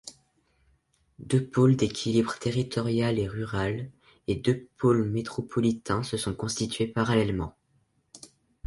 Deux pôles d'équilibre territorial et rural et deux pôles métropolitains se sont constitués parallèlement.